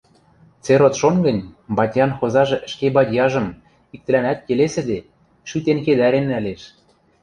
Церот шон гӹнь, бадьян хозажы ӹшке бадьяжым, иктӹлӓнӓт келесӹде, шӱтен-кедӓрен нӓлеш